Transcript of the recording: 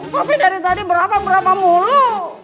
tapi dari tadi berapa mulu